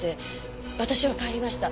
私は帰りました。